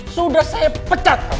sudah saya pecat kamu